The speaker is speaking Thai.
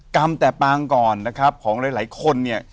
กรรมแต่ปางก่อนนะครับของหลายคนเนี่ย